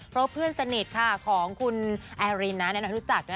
เพราะเพื่อนสนิทค่ะของคุณแอรินนะรู้จัก